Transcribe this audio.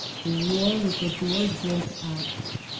The war with the Boers broke out.